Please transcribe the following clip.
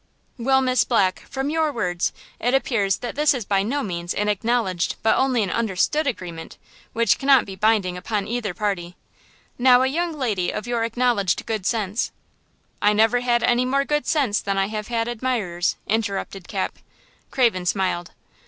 "Well, Miss Black, from your words it appears that this is by no means an acknowledged but only an understood engagement, which cannot be binding upon either party. Now, a young lady of your acknowledged good sense–" "I never had any more good sense than I have had admirers," interrupted Cap. Craven smiled.